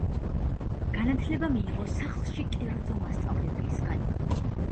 განათლება მიიღო სახლში კერძო მასწავლებლისგან.